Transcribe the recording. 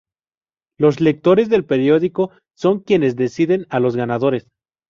Los lectores del periódico son quienes deciden a los ganadores.